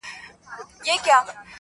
• څښل مو تويول مو شرابونه د جلال_